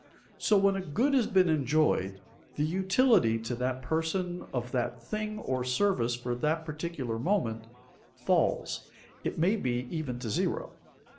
So, when a good has been enjoyed, the utility to that person of that thing or service for that particular moment, falls, it may be even to zero.